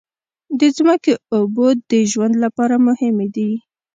د ځمکې اوبو د ژوند لپاره مهمې دي.